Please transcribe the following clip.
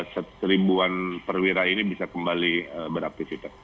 seribuan perwira ini bisa kembali beraktivitas